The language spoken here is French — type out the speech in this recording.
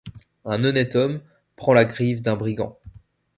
Un honnête homme, prend la griffe d’un brigand